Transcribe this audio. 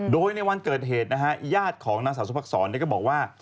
โดยในวันเกิดเหตุนะฮะญาติของนางสาวสุภักษรก็บอกว่า